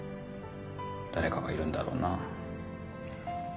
誰かがいるんだろうな。